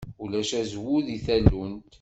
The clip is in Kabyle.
Ulac azwu deg tallunt.